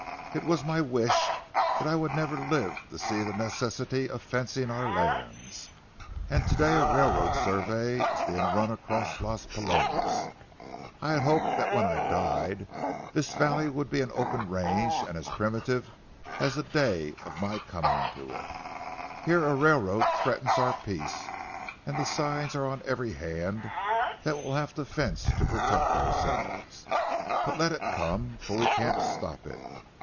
It was my wish that I would never live to see the necessity of fencing our lands, and to day a railroad survey is being run across Las Palomas. I had hoped that when I died, this valley would be an open range and as primitive as the day of my coming to it. Here a railroad threatens our peace, and the signs are on every hand that we'll have to fence to protect ourselves. But let it come, for we can't stop it.